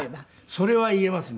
それは言えますね。